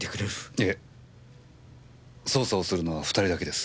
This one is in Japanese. いえ捜査をするのは２人だけです。